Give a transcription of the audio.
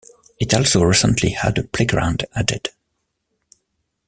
It also recently had a playground added.